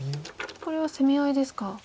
これは攻め合いですか。